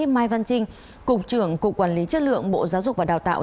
mai văn trinh cục trưởng cục quản lý chất lượng bộ giáo dục và đào tạo